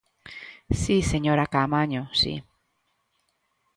Si, señora Caamaño, si.